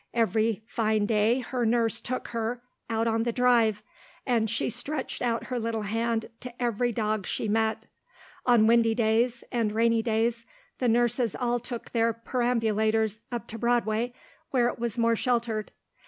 Every fine day her nurse took her, out on the Drive, and she stretched out her little hand to every dog she met. On windy days, and rainy days, the nurses all took their perambulators up to Broadway where it was more sheltered.